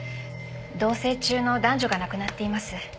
同棲中の男女が亡くなっています。